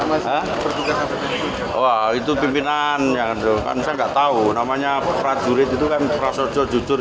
nombor nombor itu pimpinannya kan saya nggak tahu namanya prajurit itu kan prasojo jujur